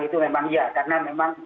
itu memang iya karena memang